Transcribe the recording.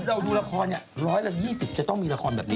เราดูละครอย่างนี้แรกล้วยอีก๒๐จะต้องมีแบบนี้